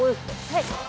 はい。